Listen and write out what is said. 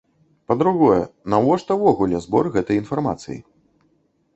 Па-другое, навошта ўвогуле збор гэтай інфармацыі?